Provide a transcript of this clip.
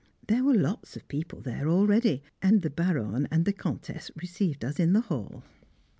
There were lots of people there already, and the Baronne and the Comtesse received us in the hall.